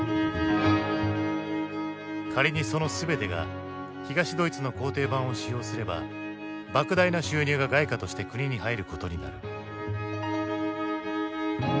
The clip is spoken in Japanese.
仮にその全てが東ドイツの校訂版を使用すればばく大な収入が外貨として国に入ることになる。